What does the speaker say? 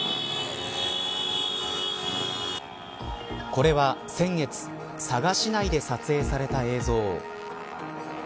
これは先月佐賀市内で撮影された映像。